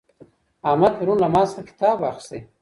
احمد پرون له ما څخه کتاب واخیستی.